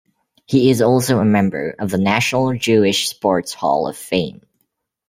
He is also a member of the National Jewish Sports Hall of Fame.